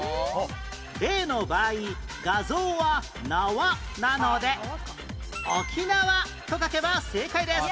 例の場合画像は「なわ」なので「沖縄」と書けば正解です